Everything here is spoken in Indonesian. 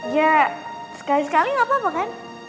ya sekali sekali gak apa apa kan